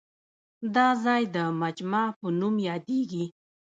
دا ځای د مجمع په نوم یادېږي.